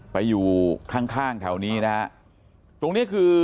ไปอยู่ข้างแถวนี้นะฮะ